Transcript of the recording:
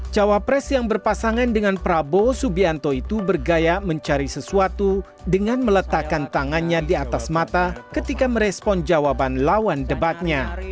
cawapres yang berpasangan dengan prabowo subianto itu bergaya mencari sesuatu dengan meletakkan tangannya di atas mata ketika merespon jawaban lawan debatnya